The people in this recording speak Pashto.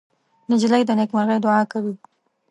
نجلۍ د نیکمرغۍ دعا کوي.